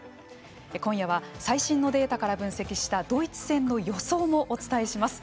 今夜は最新のデータから分析したドイツ戦の予想もお伝えします。